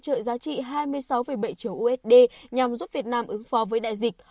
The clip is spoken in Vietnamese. tạo ra khoản hỗ trợ giá trị hai mươi sáu bảy triệu usd nhằm giúp việt nam ứng phó với đại dịch